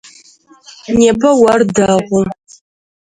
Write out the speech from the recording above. Непэ ор дэгъу.